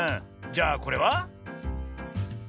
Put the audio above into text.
じゃあこれは？